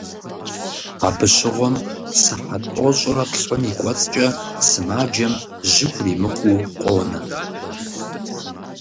Абы щыгъуэм, сыхьэт тӏощӏрэ плӏым и кӀуэцӀкӏэ сымаджэм жьы хуримыкъуу къонэ.